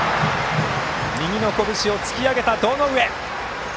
右のこぶしを突き上げた堂上！